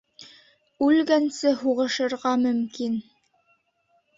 Үлгәнсе һуғышырға мөмкин.